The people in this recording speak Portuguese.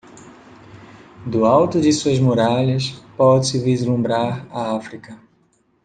Do alto de suas muralhas, pode-se vislumbrar a África.